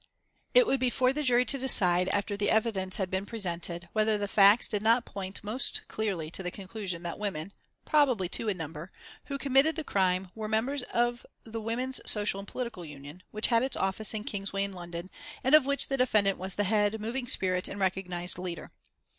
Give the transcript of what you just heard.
It would be for the jury to decide, after the evidence had been presented, whether the facts did not point most clearly to the conclusion that women, probably two in number, who committed the crime were members of the Women's Social and Political Union, which had its office in Kingsway in London, and of which the defendant was the head, moving spirit and recognised leader.